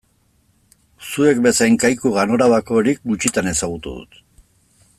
Zuek bezain kaiku ganorabakorik gutxitan ezagutu dut.